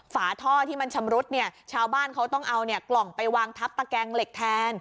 ฝาท่อที่มันชำรุดเนี่ยชาวบ้านเขาต้องเอากล่องไปวางทับตะแกงเหล็กแทน